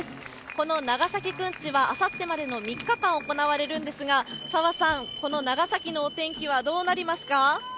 この長崎くんちは、あさってまでの３日間行われるんですが、澤さん、この長崎のお天気はどうなりますか？